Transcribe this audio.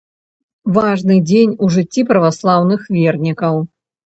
Важны дзень у жыцці праваслаўных вернікаў.